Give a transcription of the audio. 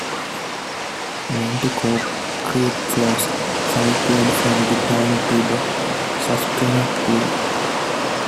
Nanticoke Creek flows southward from the town to the Susquehanna River.